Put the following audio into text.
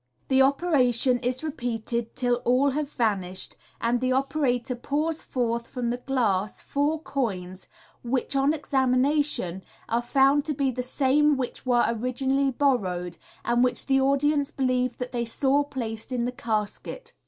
The operation is repeated till all have vanished, and the operator pours forth from the glass four coins, which, on examina tion, are found to be the same which were originally borrowed, and which the audience believe that they saw placed in the casket.